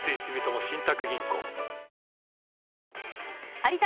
有田